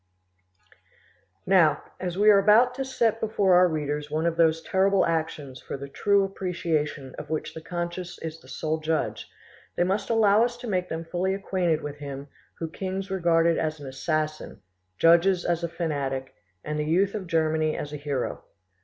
Now, as we are about to set before our readers one of those terrible actions for the true appreciation of which the conscience is the sole judge, they must allow us to make them fully acquainted with him whom kings regarded as an assassin, judges as a fanatic, and the youth of Germany as a hero.